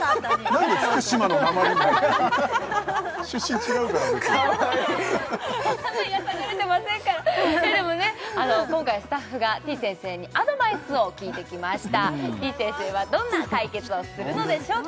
なんで福島のなまりになってんの出身違うからかわいいでもね今回スタッフがてぃ先生にアドバイスを聞いてきましたてぃ先生はどんな解決をするのでしょうか